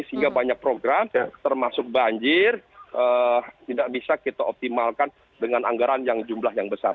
sehingga banyak program termasuk banjir tidak bisa kita optimalkan dengan anggaran yang jumlah yang besar